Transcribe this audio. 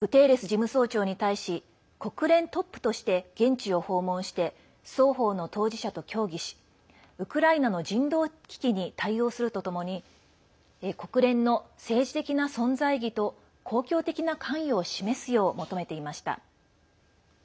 そしてグテーレス事務総長に対し国連トップとして現地を訪問して双方の当事者と協議しウクライナの人道危機に対応するとともに国連の政治的な存在意義と公共的な関与を示すよう求めていました。